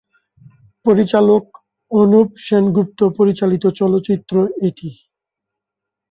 পরিচালক অনুপ সেনগুপ্ত পরিচালিত চলচ্চিত্র এটি।